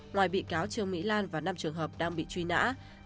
ngoài bị cáo trương mỹ lan và năm trường hợp đang bị truy nã